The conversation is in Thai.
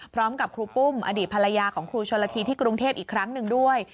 ครูปุ้มอดีตภรรยาของครูชนละทีที่กรุงเทพอีกครั้งหนึ่งด้วย